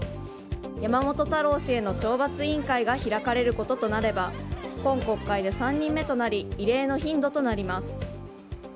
山本太郎氏への懲罰委員会が開かれることとなれば今国会で３人目となり異例の頻度となります。